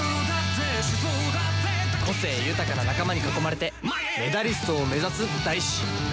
個性豊かな仲間に囲まれてメダリストを目指す大志。